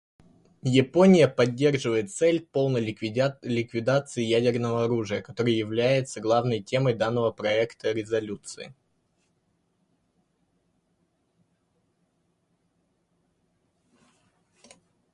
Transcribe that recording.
Япония поддерживает цель полной ликвидации ядерного оружия, которая является главной темой данного проекта резолюции.